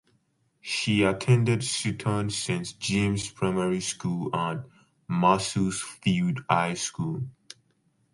She attended Sutton St James Primary School and Macclesfield High School.